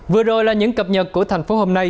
vừa rồi là những cập nhật của tp hcm